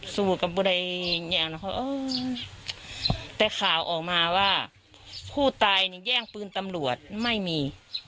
สู้กับบุรีแต่ข่าวออกมาว่าผู้ตายแย่งปืนตำรวจไม่มี